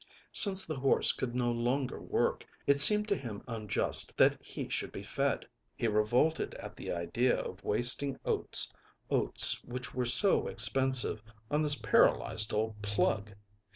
Since the horse could no longer work, it seemed to him unjust that he should be fed; he revolted at the idea of wasting oats, oats which were so expensive, on this paralyzed old plug.